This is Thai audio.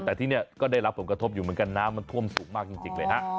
แต่ที่นี่ก็ได้รับผลกระทบอยู่เหมือนกันน้ำมันท่วมสูงมากจริงเลยฮะ